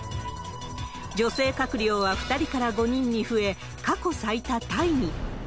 女性閣僚は２人から５人に増え、過去最多タイに。